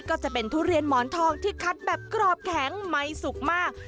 ก็จะเป็นทุเรียนหมอนทองที่คัดแบบกรอบแข็งไม่สุกมาก